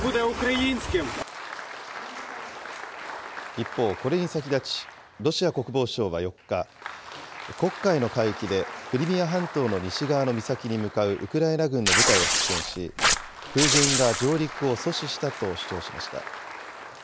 一方、これに先立ち、ロシア国防省は４日、黒海の海域でクリミア半島の西側の岬に向かうウクライナ軍の部隊を発見し、空軍が上陸を阻止したと主張しました。